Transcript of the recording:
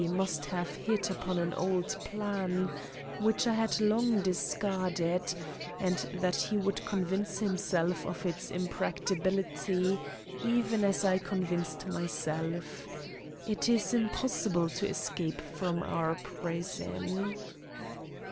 must have hit upon an old plan, which I had long discarded, and that he would convince himself of its impracticability even as I convinced myself. It is impossible to escape from our prison.